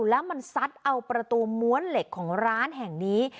แล้วมันซัดเอาประตูม้วนเหล็กของร้านแห่งนี้